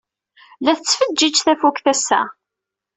La tettfeǧǧiǧ tafukt ass-a.